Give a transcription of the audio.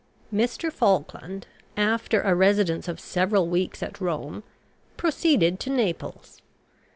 Mr. Falkland, after a residence of several weeks at Rome, proceeded to Naples.